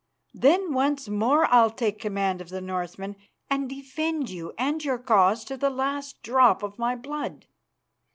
Then once more I'll take command of the Northmen and defend you and your cause to the last drop of my blood."